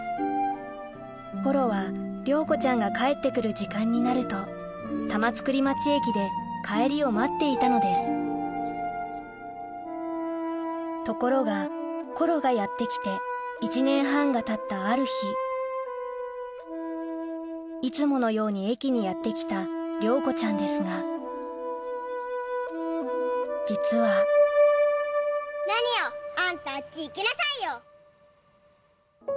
コロは亮子ちゃんが帰って来る時間になると玉造町駅で帰りを待っていたのですところがコロがやって来て１年半がたったある日いつものように駅にやって来た亮子ちゃんですが実は何よあんたあっち行きなさいよ！